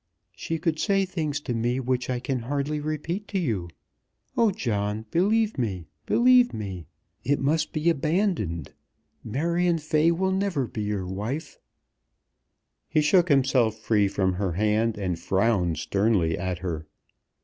"She could say things to me which I can hardly repeat to you. Oh, John, believe me, believe me. It must be abandoned. Marion Fay will never be your wife." He shook himself free from her hand, and frowned sternly at her.